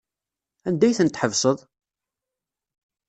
Anda ay tent-tḥesbeḍ?